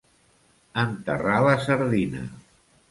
Enterrar la sardina.